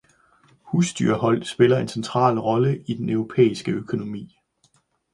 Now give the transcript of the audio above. Husdyrhold spiller en central rolle i den europæiske økonomi.